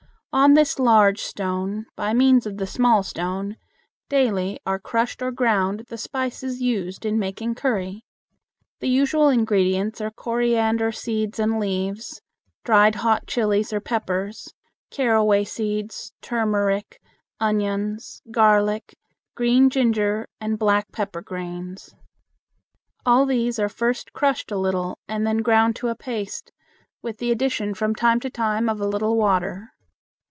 On this large stone, by means of the small stone, daily are crushed or ground the spices used in making curry. The usual ingredients are coriander seeds and leaves, dried hot chilies or peppers, caraway seeds, turmeric, onions, garlic, green ginger, and black pepper grains. All these are first crushed a little and then ground to a paste, with the addition from time to time of a little water.